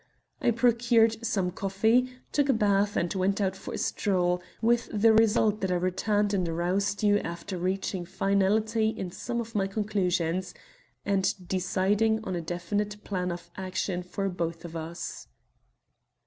I procured some coffee, took a bath, and went out for a stroll, with the result that I returned and aroused you after reaching finality in some of my conclusions, and deciding on a definite plan of action for both of us."